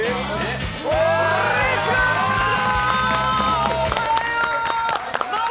おはよう！